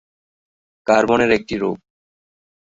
কার্বনের একটি রূপ।